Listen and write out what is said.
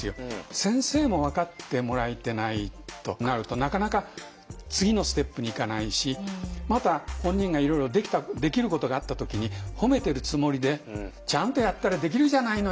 先生も分かってもらえてないとなるとなかなか次のステップに行かないしまた本人がいろいろできることがあった時に褒めてるつもりで「ちゃんとやったらできるじゃないの！